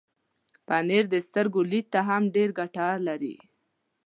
پنېر د سترګو لید ته هم ګټه لري.